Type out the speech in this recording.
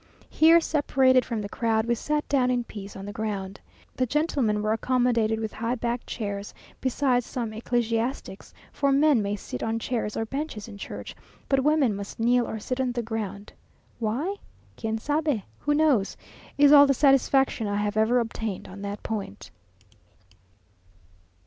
Here, separated from the crowd, we sat down in peace on the ground. The gentlemen were accommodated with high backed chairs, beside some ecclesiastics; for men may sit on chairs or benches in church, but women must kneel or sit on the ground. Why? "Quien sabe?" (Who knows?) is all the satisfaction I have ever obtained on that point.